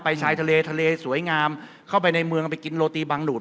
ชายทะเลทะเลสวยงามเข้าไปในเมืองไปกินโรตีบังดูด